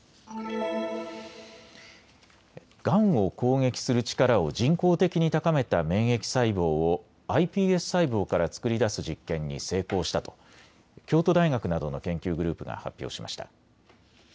がんを攻撃する力を人工的に高めた免疫細胞をｉＰＳ細胞から作り出す実験に成功したと京都大学などの研究グループが発表しました。